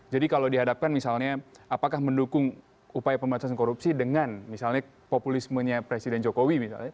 jadi kalau dihadapkan misalnya apakah mendukung upaya pemerintah korupsi dengan misalnya populismenya presiden jokowi misalnya